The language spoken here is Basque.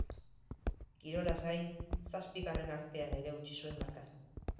Kirolaz gain, zazpigarren artean ere utzi zuen marka.